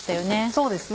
そうですね。